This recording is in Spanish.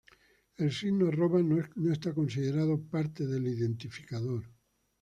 El signo arroba no es considerado parte del identificador.